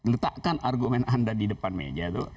letakkan argumen anda di depan meja tuh